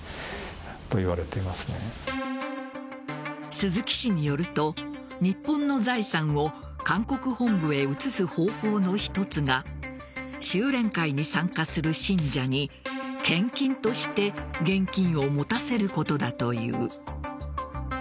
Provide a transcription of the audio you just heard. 鈴木氏によると日本の財産を韓国本部へ移す方法の一つが修錬会に参加する信者に献金として現金を持たせることだという。